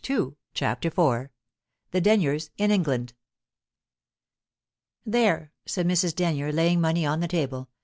CHAPTER IV THE DENYERS IN ENGLAND "There!" said Mrs. Denyer, laying money on the table.